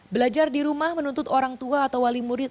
belajar di rumah menuntut orang tua atau wali murid